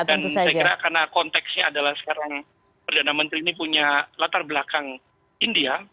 dan saya kira karena konteksnya adalah sekarang perdana menteri ini punya latar belakang india